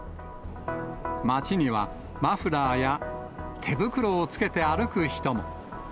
街にはマフラーや、手袋をつけて歩く人も。